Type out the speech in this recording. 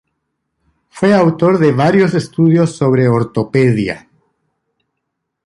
Fue autor de varios estudios sobre ortopedia.